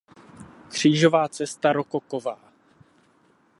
Křížová cesta rokoková.